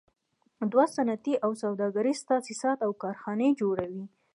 دوی صنعتي او سوداګریز تاسیسات او کارخانې جوړوي